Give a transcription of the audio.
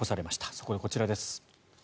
そこでこちらです。